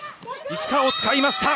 石川を使いました。